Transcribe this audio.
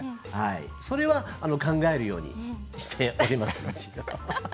それは考えるようにしております。